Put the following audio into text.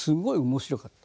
面白かった？